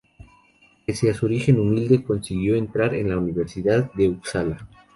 Pese a su origen humilde consiguió entrar en la Universidad de Upsala.